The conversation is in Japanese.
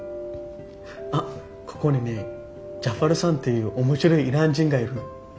あっここにねジャファルさんっていう面白いイラン人がいるの。